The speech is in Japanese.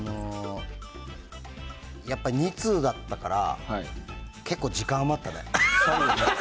やっぱ２通だったから結構、時間余ったね。